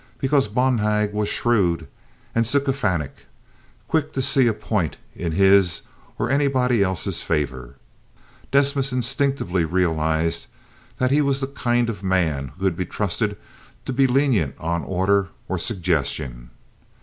Because Bonhag was shrewd and sycophantic, quick to see a point in his or anybody else's favor, Desmas instinctively realized that he was the kind of man who could be trusted to be lenient on order or suggestion.